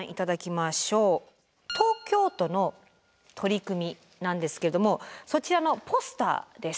東京都の取り組みなんですけれどもそちらのポスターです。